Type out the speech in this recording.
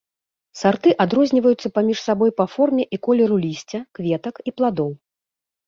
Сарты адрозніваюцца паміж сабой па форме і колеру лісця, кветак і пладоў.